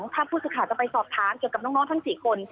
ถ้าผู้ศึกษาจะไปสอบทางเกี่ยวกับน้องทั้ง๔คน